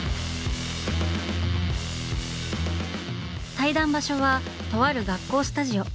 対談場所はとある学校スタジオ。